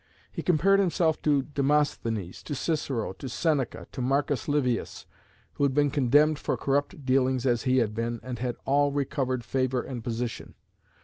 He compared himself to Demosthenes, to Cicero, to Seneca, to Marcus Livius, who had been condemned for corrupt dealings as he had been, and had all recovered favour and position.